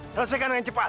selesaikan dengan cepat